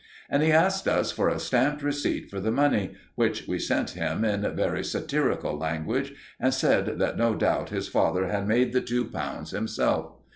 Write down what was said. And he asked us for a stamped receipt for the money, which we sent him in very satirical language, and said that no doubt his father had made the two pounds himself.